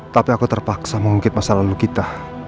tapi aku terpaksa mengungkit masa lalu kita